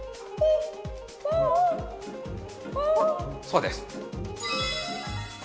そうです。